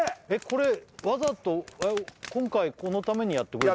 これわざと今回このためにやってくれてんの？